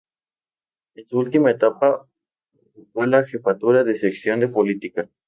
En su última etapa ocupó la jefatura de sección de política.